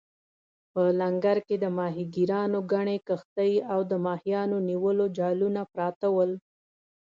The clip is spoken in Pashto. په لنګر کې د ماهیګیرانو ګڼې کښتۍ او د ماهیانو نیولو جالونه پراته ول.